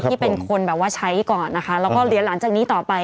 ที่เป็นคนแบบว่าใช้ก่อนนะคะแล้วก็เหรียญหลังจากนี้ต่อไป